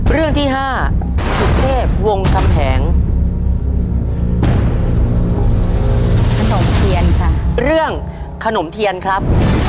เรื่องขนมเทียนครับ